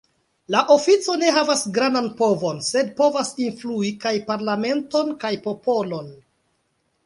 La ofico ne havas grandan povon, sed povas influi kaj parlamenton kaj popolon.